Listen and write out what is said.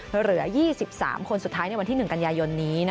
เหลือ๒๓คนสุดท้ายในวันที่๑กันยายนนี้